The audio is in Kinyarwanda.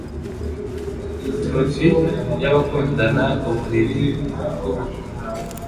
troth y'abakundana uburiri bwubukwe